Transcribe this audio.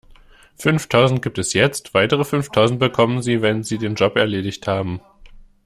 Fünftausend gibt es jetzt, weitere fünftausend bekommen Sie, wenn Sie den Job erledigt haben.